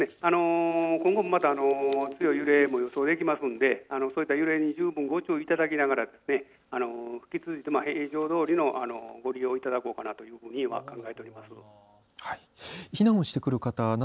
今後もまだ強い揺れも予想できますのでそういった揺れに十分ご注意いただきながら引き続き平常通りのご利用をいただこうかなと考えております。